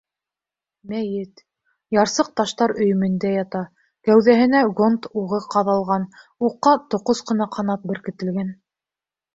Мәйет... ярсыҡ таштар өйөмөндә ята; кәүҙәһенә гонд уғы ҡаҙалған, уҡҡа тоҡос ҡына ҡанат беркетелгән.